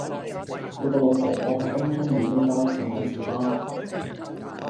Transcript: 有個老婆婆喺東涌美東街等緊小巴